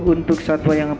ya baiklah para pengunjung